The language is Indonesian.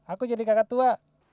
aku jadi kakak tua